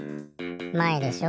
まえでしょ？